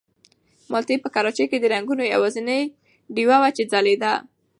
مالټې په کراچۍ کې د رنګونو یوازینۍ ډېوه وه چې ځلېده.